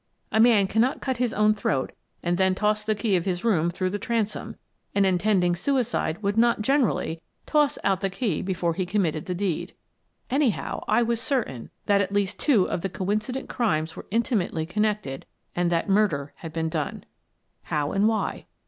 A man cannot cut his own throat and then toss the key of his room through the transom — an intending suicide would not, generally, toss out the key before he committed the deed. Anyhow, I was certain that at least two of the coincident crimes were intimately connected and that murder had been done. How and why?